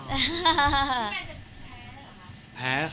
พี่แมนจะแพ้หรอครับ